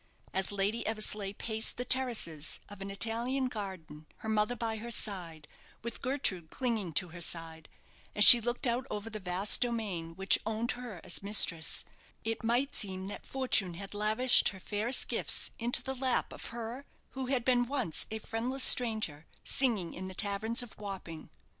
As Lady Eversleigh paced the terraces of an Italian garden, her mother by her side, with Gertrude clinging to her side; as she looked out over the vast domain which owned her as mistress it might seem that fortune had lavished her fairest gifts into the lap of her who had been once a friendless stranger, singing in the taverns of Wapping.